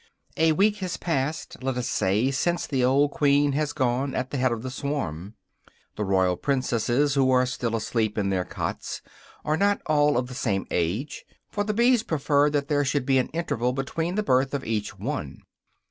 A week has passed, let us say, since the old queen has gone, at the head of the swarm. The royal princesses who still are asleep in their cots are not all of the same age; for the bees prefer that there should be an interval between the birth of each one.